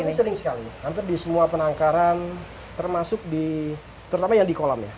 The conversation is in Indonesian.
ini sering sekali hampir di semua penangkaran termasuk di terutama yang di kolam ya